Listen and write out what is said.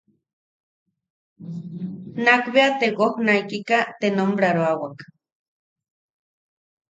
Nakbea te wojnaikika te nombraroawak.